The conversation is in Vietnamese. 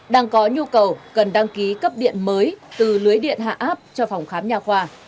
đang có nhu cầu cần đăng ký cấp điện mới từ lưới điện hạ áp cho phòng khám nhà khoa